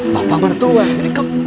bapak mertua ini kamu